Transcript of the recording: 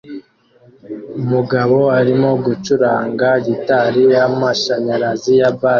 Umugabo arimo gucuranga gitari y'amashanyarazi ya bass